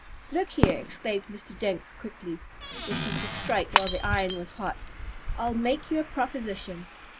"Look here!" exclaimed Mr. Jenks, quickly, wishing to strike while the iron was hot. "I'll make you a proposition.